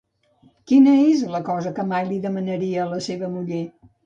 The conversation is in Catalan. Quina és la cosa que mai li demanaria a la seva muller?